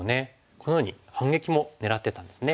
このように反撃も狙ってたんですね。